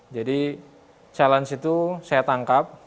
jadi challenge itu saya tangkap